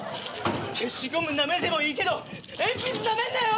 消しゴムなめてもいいけど鉛筆なめんなよ！